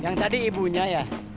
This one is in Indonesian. yang tadi ibunya ya